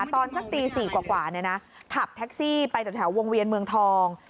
ตอนสักตี๔กว่าขับแท็กซี่ไปจากแถววงเวียนเมืองทอง